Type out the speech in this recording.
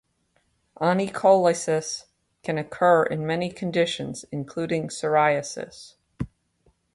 Onycholysis can occur in many conditions, including psoriasis.